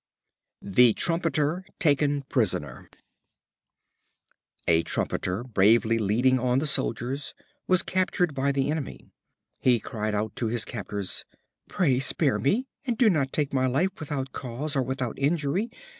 The Trumpeter taken Prisoner. A Trumpeter, bravely leading on the soldiers, was captured by the enemy. He cried out to his captors: "Pray spare me, and do not take my life without cause or without injury.